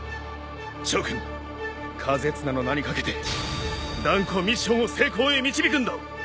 諸君風綱の名に懸けて断固ミッションを成功へ導くんだ！